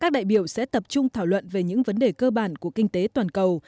các đại biểu sẽ tập trung thảo luận về những vấn đề cơ bản của kinh tế toàn cầu